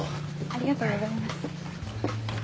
ありがとうございます。